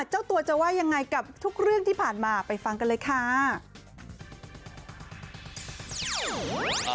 เจ้าตัวจะว่ายังไงกับทุกเรื่องที่ผ่านมาไปฟังกันเลยค่ะ